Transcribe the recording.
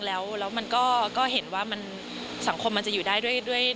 แล้วมันก็เห็นว่าสังคมจะอยู่ได้ด้วยน้ำใจ